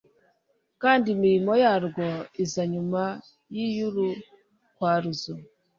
kandi imirimo yarwo iza nyuma y'iy'urukwaruz.